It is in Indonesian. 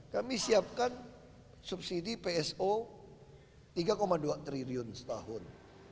kami siapkan subsidi pso tiga dua triliun setahun